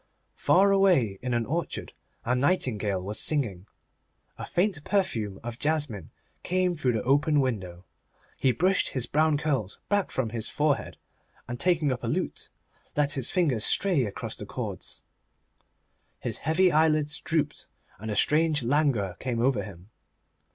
Far away, in an orchard, a nightingale was singing. A faint perfume of jasmine came through the open window. He brushed his brown curls back from his forehead, and taking up a lute, let his fingers stray across the cords. His heavy eyelids drooped, and a strange languor came over him.